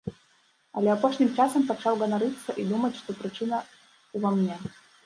Але апошнім часам пачаў ганарыцца і думаць, што прычына ўва мне.